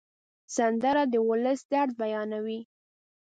سندره د ولس درد بیانوي